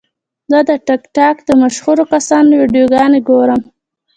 زه د ټک ټاک د مشهورو کسانو ویډیوګانې ګورم.